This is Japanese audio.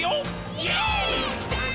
「イエーイ！！」